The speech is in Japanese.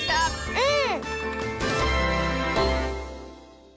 うん！